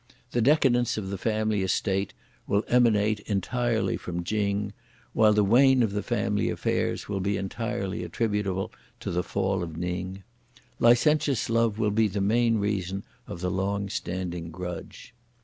The decadence of the family estate will emanate entirely from Ching; while the wane of the family affairs will be entirely attributable to the fault of Ning! Licentious love will be the main reason of the long standing grudge.